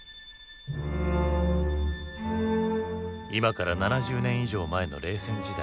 今から７０年以上前の冷戦時代